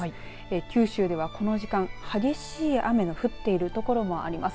九州では、この時間激しい雨の降っている所もあります。